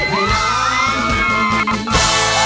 ที่นี่นะ